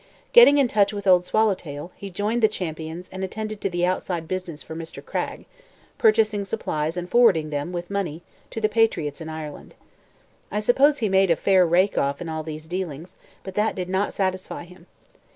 Getting in touch with Old Swallowtail, he joined the Champions and attended to the outside business for Mr. Cragg, purchasing supplies and forwarding them, with money, to the patriots in Ireland. I suppose he made a fair rake off in all these dealings, but that did not satisfy him.